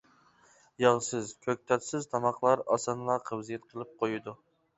ياغسىز، كۆكتاتسىز تاماقلار ئاسانلا قەۋزىيەت قىلىپ قويىدۇ.